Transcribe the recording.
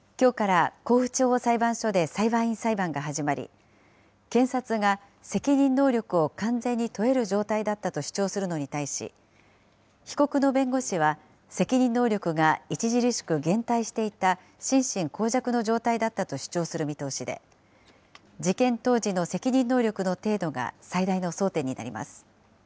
きょうから甲府地方裁判所で裁判員裁判が始まり、検察が責任能力を完全に問える状態だったと主張するのに対し、被告の弁護士は、責任能力が著しく減退していた心神耗弱の状態だったと主張する見通しで、事件当時の責任能力の程度が最大の争点になります。